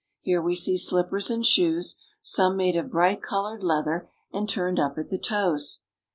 Here we see slippers and shoes, lome made of bright Mjlored leather and ^rned up at the toes.